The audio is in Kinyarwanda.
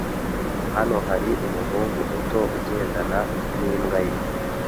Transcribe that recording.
Hano hari umuhungu muto ugendana nimbwa ye.